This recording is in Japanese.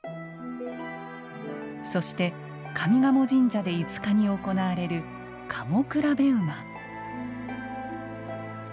そして、上賀茂神社で５日に行われる賀茂競馬。